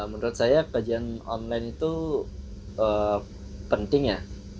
menurut saya kajian online itu penting ya